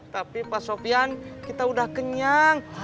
tapi pak sofian kita udah kenyang